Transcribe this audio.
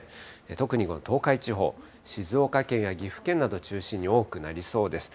特にこの東海地方、静岡県や岐阜県などを中心に多くなりそうです。